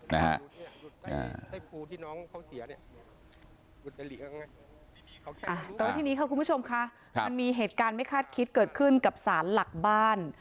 แต่ว่าทีนี้ค่ะคุณผู้ชมค่ะมันมีเหตุการณ์ไม่คาดคิดเกิดขึ้นกับสารหลักบ้าน